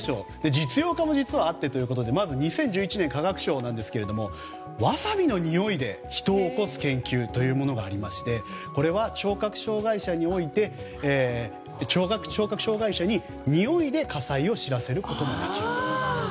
実用化も実はあってということでまず２０１１年化学賞なんですけれどもわさびのにおいで人を起こす研究というものがありましてこれは聴覚障害者に、においで火災を知らせることができる。